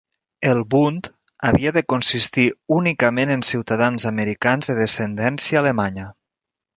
El Bund havia de consistir únicament en ciutadans americans de descendència alemanya.